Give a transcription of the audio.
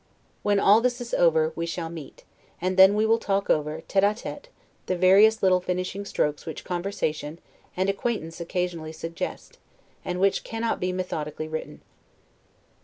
When all this is over, we shall meet; and then we will talk over, tete a tete, the various little finishing strokes which conversation and, acquaintance occasionally suggest, and which cannot be methodically written.